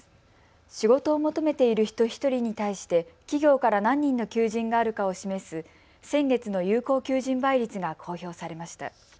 仕事を求めている人１人に対して企業から何人の求人があるかを示す先月の有効求人倍率が公表されました。